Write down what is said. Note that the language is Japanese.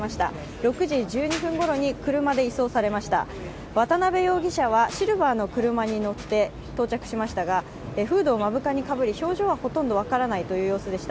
６時１２分ごろに車で移送されました渡辺容疑者はシルバーの車に乗って到着しましたがフードを目深にかぶり表情はほとんど分からないという状態でした。